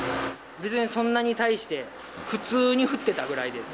別にそんなに大して、普通に降ってたぐらいです。